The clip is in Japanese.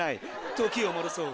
時を戻そう。